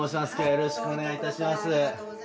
よろしくお願いします。